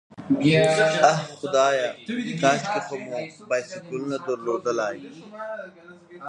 آه خدایه، کاشکې خو مو بایسکلونه درلودای.